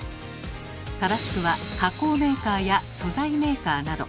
正しくは「加工メーカー」や「素材メーカー」など。